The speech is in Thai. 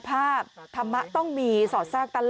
คุณภาพธรรมะต้องมีสอดสร้างตลอดนะคะ